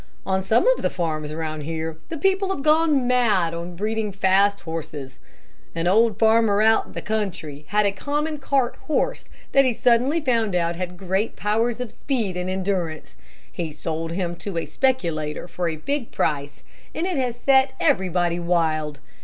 On some of the farms around here, the people have gone mad on breeding fast horses. An old farmer out in the country had a common cart horse that he suddenly found out had great powers of speed and endurance. He sold him to a speculator for a big price, and it has set everybody wild.